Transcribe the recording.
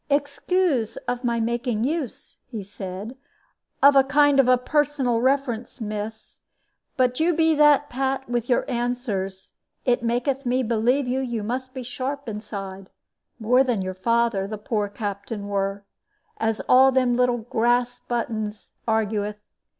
"Excoose of my making use," he said, "of a kind of a personal reference, miss; but you be that pat with your answers, it maketh me believe you must be sharp inside more than your father, the poor Captain, were, as all them little grass buttons argueth.